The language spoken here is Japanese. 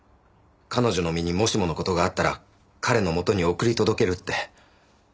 彼女の身にもしもの事があったら彼のもとに送り届けるって。